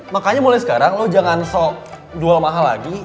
makanya mulai sekarang lo jangan sok jual mahal lagi